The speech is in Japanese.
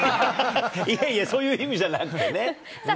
いやいや、そういう意味じゃさあ